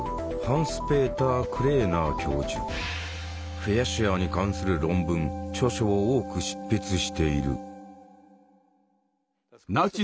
フェアシュアーに関する論文著書を多く執筆している。